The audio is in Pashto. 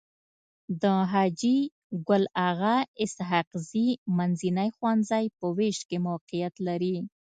د حاجي ګل اغا اسحق زي منځنی ښوونځی په ويش کي موقعيت لري.